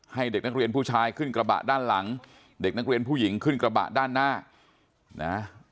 ให้เด็กนักเรียนผู้ชายขึ้นกระบะด้านหลังเด็กนักเรียนผู้หญิงขึ้นกระบะด้านหน้านะ